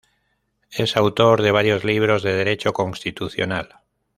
Es autor de varios libros de derecho constitucional.